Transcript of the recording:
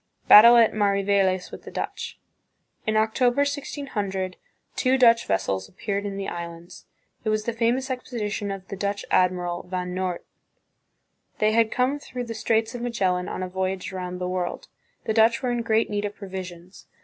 * Battle at Mariveles with the Dutch. In October, 1600, two Dutch vessels appeared in the Islands; it was the famous expedition of the Dutch admiral, Van Noort. They had come through the Straits of Magellan, on a voy age around the world. The Dutch were in great need of provisions.